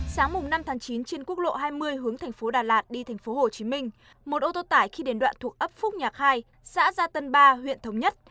sáng năm chín trên quốc lộ hai mươi hướng thành phố đà lạt đi thành phố hồ chí minh một ô tô tải khi đến đoạn thuộc ấp phúc nhạc hai xã gia tân ba huyện thống nhất